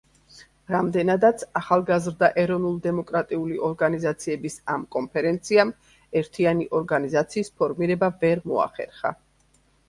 რამდენადაც ახალგაზრდა ეროვნულ-დემოკრატიული ორგანიზაციების ამ კონფერენციამ ერთიანი ორგანიზაციის ფორმირება ვერ მოახერხა.